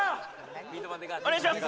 お願いします